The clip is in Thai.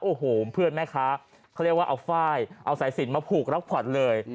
โอ้โหเพื่อนแม่ค้าเขาเรียกว่าเอาฝ้ายเอาสายสินมาผูกรับขวัญเลย